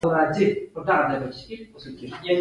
شهسوار خان يودم وټوخل.